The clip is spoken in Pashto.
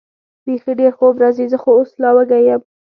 بېخي ډېر خوب راځي، زه خو اوس لا وږی یم.